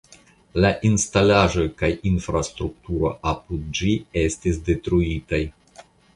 La instalaĵo kaj infrastrukturo apud ĝi estis detruitaj.